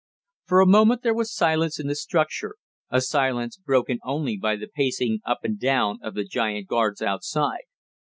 For a moment there was silence in the structure a silence broken only by the pacing up and down of the giant guards outside.